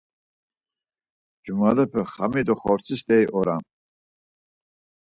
Cumalepe xami do xortsi st̆eri oran.